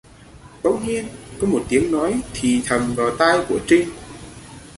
Bỗng nhiên có một tiếng nói thì thầm vào tai của Trinh